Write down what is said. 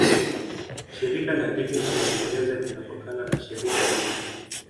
Shirika la Ndege la Uingereza linatokana na shirika hili.